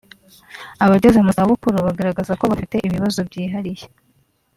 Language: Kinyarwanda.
Abageze mu zabukuru bagaragaza ko bafite ibibazo byihariye